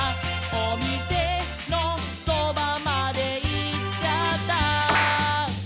「おみせのそばまでいっちゃった」